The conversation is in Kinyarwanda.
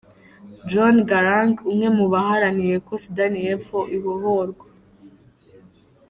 John Garang, umwe mu baharaniye ko Sudani y’Epfo ibohorwa.